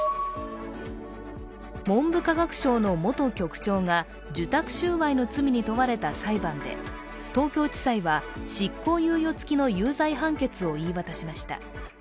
文部科学省の元局長が、受託収賄の罪に問われた裁判で東京地裁は執行猶予つきの有罪判決を言い渡しました。